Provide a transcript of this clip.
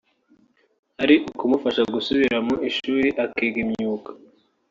ari ukumufasha gusubira mu ishuri akiga imyuga